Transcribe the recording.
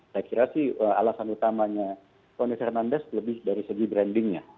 saya kira sih alasan utamanya tony fernandez lebih dari segi brandingnya